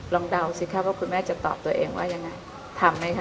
เดาสิคะว่าคุณแม่จะตอบตัวเองว่ายังไงทำไหมคะ